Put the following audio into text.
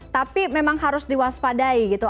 tapi memang harus diwaspadai gitu